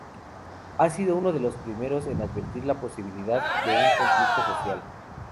Ha sido uno de los primeros en advertir la posibilidad de un conflicto social.